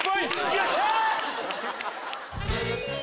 よっしゃ！